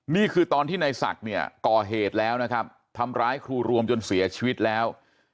นี่คือตอนที่ในศักดิ์เนี่ยก่อเหตุแล้วนะครับทำร้ายครูรวมจนเสียชีวิตแล้ว